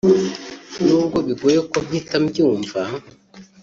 n’ubwo bigoye ko mpita mbyumva